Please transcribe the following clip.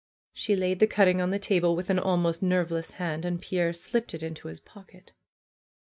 She laid the cutting on the table with an almost nerveless hand, and Pierre slipped it into his pocket.